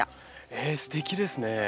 えすてきですね。